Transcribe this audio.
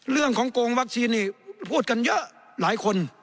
เรื่องของโกงวัคซีนนี่พูดกันเยอะหลายคน